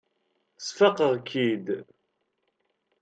Sfaqeɣ-k-id.